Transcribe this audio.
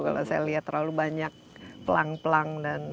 kalau saya lihat terlalu banyak pelang pelang dan